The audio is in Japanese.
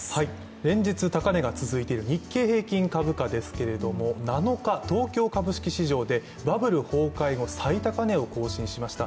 連日高値が続いている日経平均株価ですけれども７日、東京株式市場でバブル崩壊後最高値を更新しました。